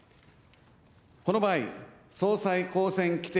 この場合、総裁公選規程